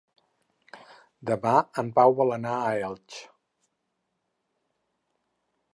Demà en Pau vol anar a Elx.